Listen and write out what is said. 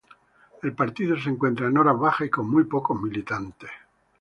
El partido se encuentra en horas bajas y con muy pocos militantes.